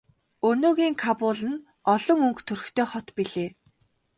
Өнөөгийн Кабул нь олон өнгө төрхтэй хот билээ.